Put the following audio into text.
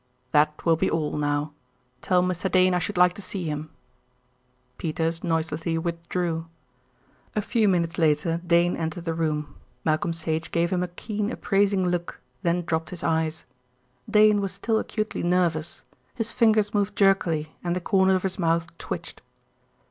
"That will be all now. Tell Mr. Dane I should like to see him." Peters noiselessly withdrew. A few minutes later Dane entered the room. Malcolm Sage gave him a keen, appraising look, then dropped his eyes. Dane was still acutely nervous. His fingers moved jerkily and the corners of his mouth twitched.